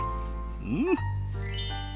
うん！